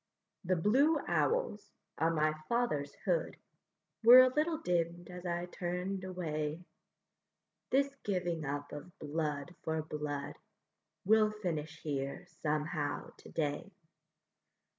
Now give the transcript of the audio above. The blue owls on my father's hood Were a little dimm'd as I turn'd away; This giving up of blood for blood Will finish here somehow to day.